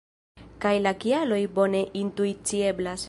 Kaj la kialoj bone intuicieblas.